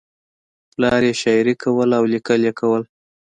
پلار یې شاعري کوله او لیکل یې کول